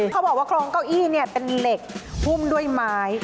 เขาบอกว่าโครงเก้าอี้เป็นเหล็กหุ้มด้วยไม้